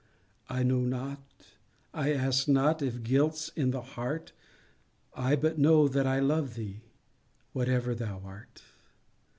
I know not, I ask not, if guilt's in that heart, I but know that I love thee, whatever thou art.